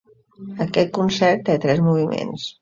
Aquest concert té tres moviments.